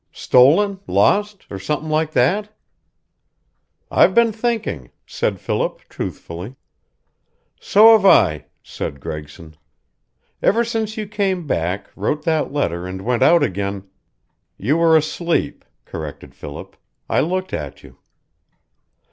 Stolen lost or something like that?" "I've been thinking," said Philip, truthfully. "So have I," said Gregson. "Ever since you came back, wrote that letter, and went out again " "You were asleep," corrected Philip. "I looked at you."